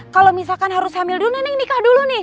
kalo misalkan harus hamil dulu neneng nikah dulu nih